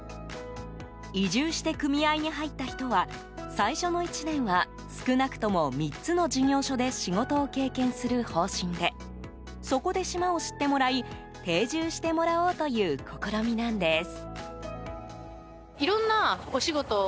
移住して組合に入った人は最初の１年は少なくとも３つの事業所で仕事を経験する方針でそこで、島を知ってもらい定住してもらおうという試みなんです。